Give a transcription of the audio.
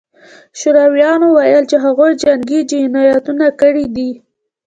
شورویانو ویل چې هغوی جنګي جنایتونه کړي دي